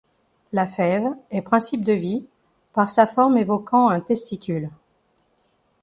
La fève est principe de vie, par sa forme évoquant un testicule.